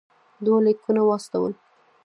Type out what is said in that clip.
دوه لیکونه واستول.